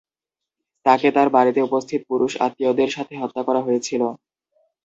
তাকে তার বাড়িতে উপস্থিত পুরুষ আত্মীয়দের সাথে হত্যা করা হয়েছিল।